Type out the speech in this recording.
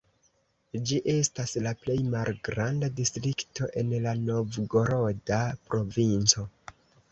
Ĝi estas la plej malgranda distrikto en la Novgoroda provinco.